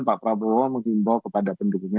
pak prabowo menghimbau kepada penduduknya